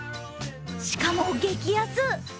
しかも激安。